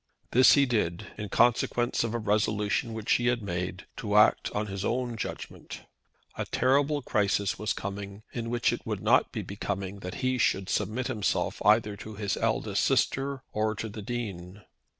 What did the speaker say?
This he did, in consequence of a resolution which he had made, to act on his own judgment. A terrible crisis was coming, in which it would not be becoming that he should submit himself either to his eldest sister, or to the Dean.